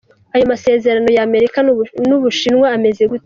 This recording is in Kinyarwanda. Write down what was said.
Ayo masezerano ya Amerika n'Ubushinwa ameze gute? .